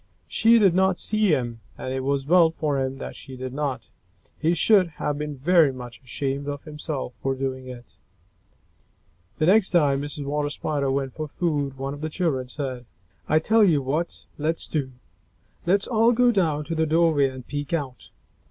She did not see him, and it was well for him that she did not. He should have been very much ashamed of himself for doing it. The next time Mrs. Water Spider went for food, one of the children said, "I tell you what let's do! Let's all go down to the doorway and peek out."